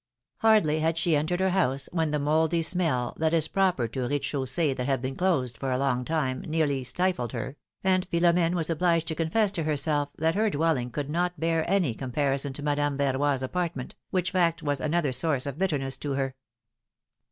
Hardly had she entered her house when the mouldy smell, that is proper to rez de chaussees that have been closed for a long time, nearly stifled her, and Philomdne was obliged to confess to her self that her dwelling could not bear any comparison to Madame Verroy's apartment, which fact was another source of bitterness to her.